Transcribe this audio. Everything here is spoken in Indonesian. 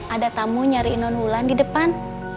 ada tamu nyariin non ulan di depan